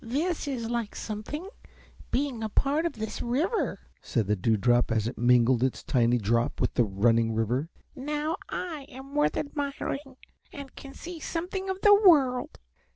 "This is like something, being a part of this river," said the Dewdrop as it mingled its tiny drop with the running river. "Now I am worth admiring and can see something of the world."